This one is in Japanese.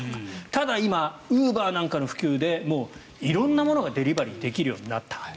ただ、今ウーバーなんかの普及で色んなものがデリバリーできるようになった。